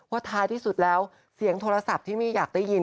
ท้ายที่สุดแล้วเสียงโทรศัพท์ที่มี่อยากได้ยิน